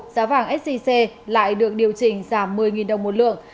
giá vàng sgc lại được điều chỉnh giảm một mươi đồng một lượng